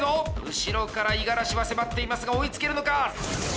後ろから五十嵐は迫っていますが追いつけるのか！